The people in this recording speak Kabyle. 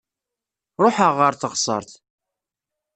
Ruḥaɣ ɣer teɣsert.